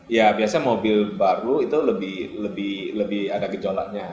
ya biasanya mobil baru itu lebih ada gejolaknya